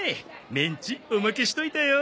メンチおまけしといたよ。